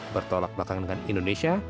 bertolak belakangan dengan indonesia